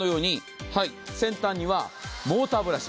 先端にはモーターブラシ。